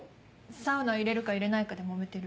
サウナ入れるか入れないかでモメてる。